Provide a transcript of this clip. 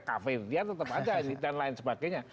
kafir dia tetap aja dan lain sebagainya